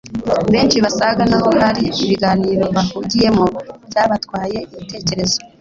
benshi basaga naho hari ibiganiro bahugiyemo byabatwaye ibitekerezo